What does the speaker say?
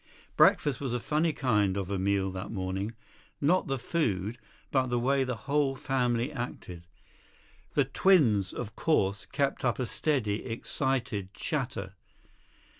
19 Breakfast was a funny kind of a meal that morning—not the food, but the way the whole family acted. The twins, of course, kept up a steady, excited chatter.